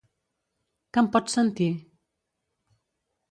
Que em pots sentir?